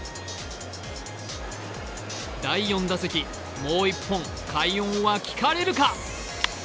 第４打席、もう１本快音は聞かれるか？